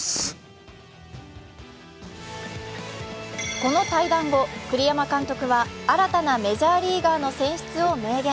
この対談後、栗山監督は新たなメジャーリーガーの選出を明言。